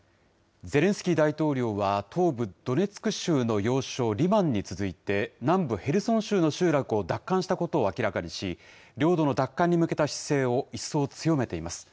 ゼレンスキー大統領は、東部ドネツク州の要衝リマンに続いて、南部ヘルソン州の集落を奪還したことを明らかにし、領土の奪還に向けた姿勢を一層強めています。